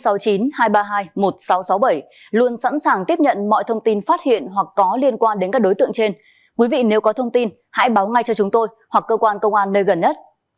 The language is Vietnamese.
nếu các bạn sẵn sàng tiếp nhận mọi thông tin phát hiện hoặc có liên quan đến các đối tượng trên quý vị nếu có thông tin hãy báo ngay cho chúng tôi hoặc cơ quan công an nơi gần nhất